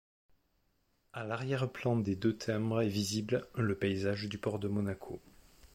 À l'arrière-plan des deux timbres, est visible le paysage du port de Monaco.